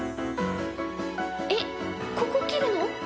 えっここ切るの？